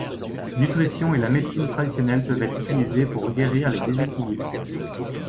Nutrition et la médecine traditionnelle peuvent être utilisés pour guérir les déséquilibres.